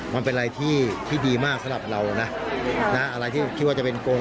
มันเป็นอะไรที่ดีมากสำหรับเรานะอะไรที่คิดว่าจะเป็นโกง